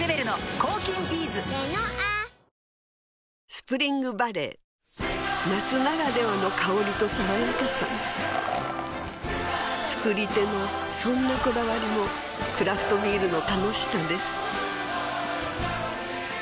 スプリングバレー夏ならではの香りと爽やかさ造り手のそんなこだわりもクラフトビールの楽しさです